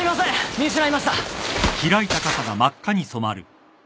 見失いました。